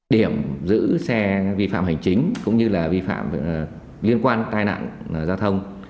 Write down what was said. điểm giữ xe vi phạm hành chính cũng như là vi phạm liên quan tai nạn giao thông